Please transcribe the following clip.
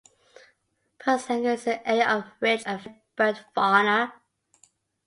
Porsanger is an area of rich and varied bird fauna.